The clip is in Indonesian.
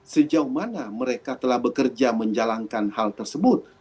sejauh mana mereka telah bekerja menjalankan hal tersebut